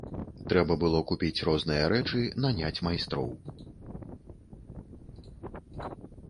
Трэба было купіць розныя рэчы, наняць майстроў.